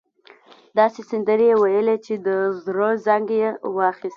داسې سندرې يې وويلې چې د زړه زنګ يې واخيست.